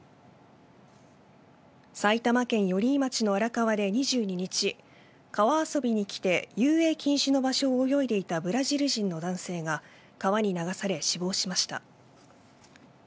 埼玉県寄居町の荒川で２２日川遊びに来て遊泳禁止の場所を泳いでいたブラジル人の男性が川に流され死亡しました。